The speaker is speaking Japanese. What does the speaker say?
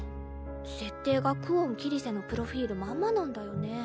設定が久遠桐聖のプロフィールまんまなんだよね。